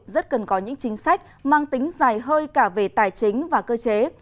rất cần có những chính sách mang tính dài hơi cả về tài chính và cơ chế